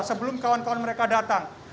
sebelum kawan kawan mereka datang